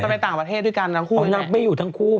ต้องไปต่างประเทศด้วยกันทั้งคู่ไหมอ๋อนั่งไปอยู่ทั้งคู่